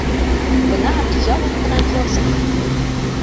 Бына яр аҫтынан яу сыҡҡан!